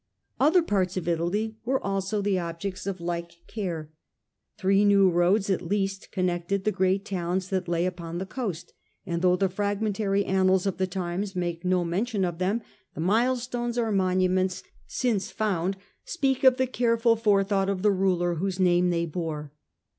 Other parts of Italy were also the objects of like care. Three new roads at least connected the great towns that lay upon the coast, and though the frag mentary annals of the times make no mention of them, the milestones or monuments since found speak of the careful forethought of the ruler whose name they bore.